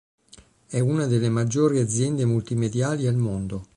È una delle maggiori aziende multimediali al mondo.